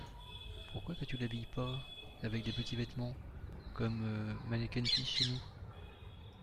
Pourquoi que tu l’habilles pas… avec des petits vêtements… comme Mannekenpiss chez nous ?…